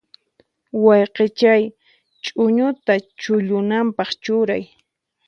Wayqichay, ch'uñuta chullunanpaq churay.